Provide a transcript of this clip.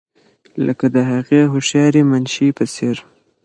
لکه د هغې هوښیارې منشي په څېر.